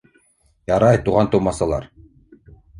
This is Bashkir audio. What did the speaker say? — Ярай, туған-тыумасалар.